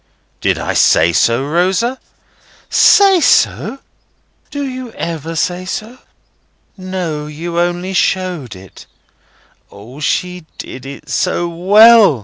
"Did I say so, Rosa?" "Say so! Do you ever say so? No, you only showed it. O, she did it so well!"